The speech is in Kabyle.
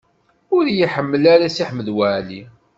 Ur iyi-ḥemmel ara Si Ḥmed Waɛli.